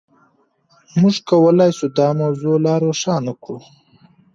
موږ کولای شو دا موضوع لا روښانه کړو.